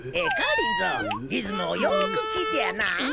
リズムをよく聴いてやなあ。